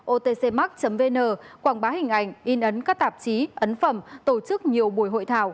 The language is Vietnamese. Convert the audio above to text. otcmac vn quảng bá hình ảnh in ấn các tạp chí ấn phẩm tổ chức nhiều buổi hội thảo